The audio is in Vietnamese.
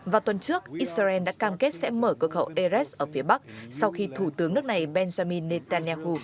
vào tuần trước israel đã cam kết sẽ mở cửa khẩu erres ở phía bắc sau khi thủ tướng nước này benjamin netanyahu